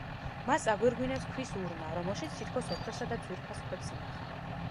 მას აგვირგვინებს ქვის ურნა, რომელშიც თითქოს ოქროსა და ძვირფას ქვებს ინახავენ.